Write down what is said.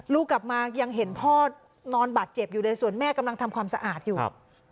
ลูกกลับมายังเห็นพ่อนอนบาดเจ็บอยู่เลยส่วนแม่กำลังทำความสะอาดอยู่